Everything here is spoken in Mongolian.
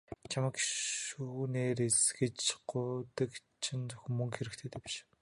Чамайг гишүүнээр элс гэж гуйдаг чинь зөвхөн мөнгө хэрэгтэйдээ биш.